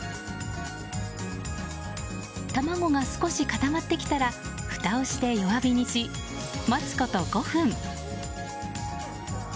卵が少し固まってきたらふたをして弱火にし、待つこと５分。